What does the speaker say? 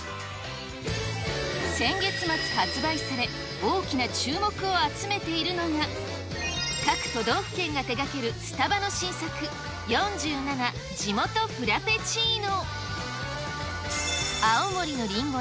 先月末発売され、大きな注目を集めているのが、各都道府県が手がけるスタバの新作、４７ジモトフラペチーノ。